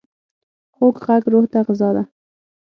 خوږ غږ روح ته غذا ده.